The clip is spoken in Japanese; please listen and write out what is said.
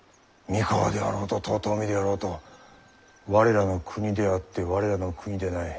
三河であろうと遠江であろうと我らの国であって我らの国でない。